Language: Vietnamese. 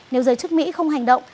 nếu giới chức mỹ không hành động